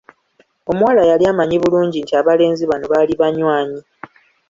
Omuwala yali amanyi bulungi nti abalenzi bano baali banywanyi.